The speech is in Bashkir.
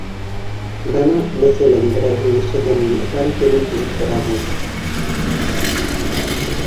Бына, мәҫәлән, берәүҙең йәшергән игене бар икәнен һиҙеп тораһың.